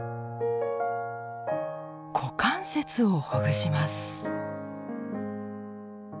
股関節をほぐします。